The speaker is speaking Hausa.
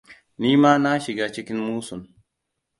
Ni ma na shiga cikin musun.